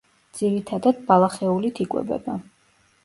ძირითადად ბალახეულით იკვებება.